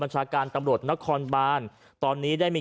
และยืนยันเหมือนกันว่าจะดำเนินคดีอย่างถึงที่สุดนะครับ